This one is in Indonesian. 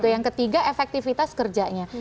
yang ketiga efektivitas kerjanya